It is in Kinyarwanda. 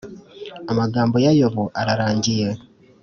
Amagambo ya yobu ararangiye